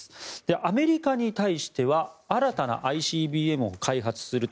アメリカに対しては新たなＩＣＢＭを開発すると。